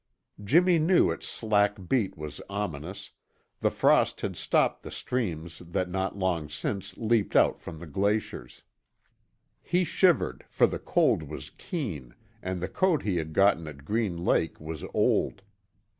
Jimmy knew its slack beat was ominous; the frost had stopped the streams that not long since leaped out from the glaciers. He shivered, for the cold was keen and the coat he had got at Green Lake was old.